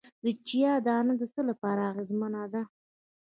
د چیا دانه د څه لپاره اغیزمنه ده؟